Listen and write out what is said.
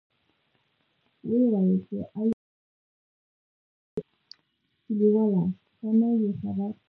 ویې ویل، چې آی جاهله کلیواله ته نه یې خبر.